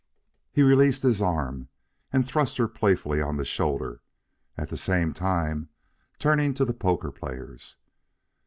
He released his arm and thrust her playfully on the shoulder, at the same time turning to the poker players.